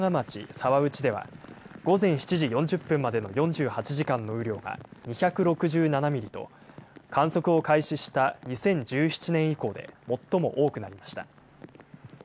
沢内では午前７時４０分までの４８時間の雨量が２６７ミリと観測を開始した２０１７年以降で最も多くなりました。